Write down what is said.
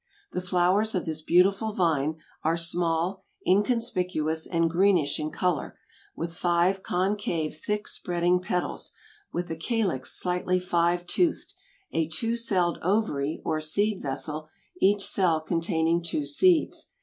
The flowers of this beautiful vine are small, inconspicuous and greenish in color, with five concave thick spreading petals, with a calyx slightly five toothed, a two celled ovary or seed vessel, each cell containing two seeds.